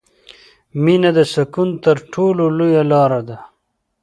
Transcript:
• مینه د سکون تر ټولو لویه لاره ده.